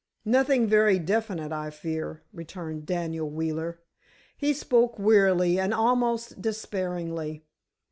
"Nothing very definite, I fear," returned Daniel Wheeler. He spoke wearily, and almost despairingly.